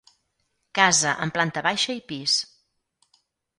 Casa amb planta baixa i pis.